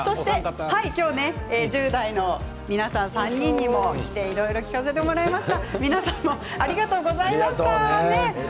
今日１０代の皆さん３人にもいろいろ聞かせてもらいました。